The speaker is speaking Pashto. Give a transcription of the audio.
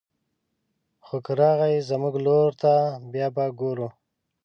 خو که راغی زموږ لور ته بيا به ګوري